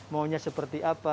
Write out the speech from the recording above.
maunya seperti apa